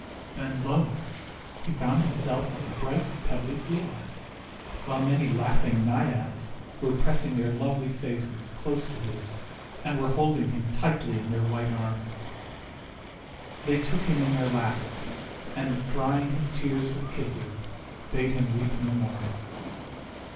Then, lo ! he found himself on a bright pebbly floor, while many laughing Naiads were press ing their lovely faces close to his, and were holding him tightly in their white arms. They took him in their laps, and, drying his tears with kisses, bade him weep no more.